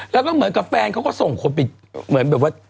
แล้วก็เหมือนกับแฟนเขาก็อะส่งคนไปแบบว่า